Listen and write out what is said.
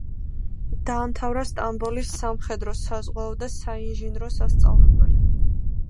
დაამთავრა სტამბოლის სამხედრო-საზღვაო და საინჟინრო სასწავლებელი.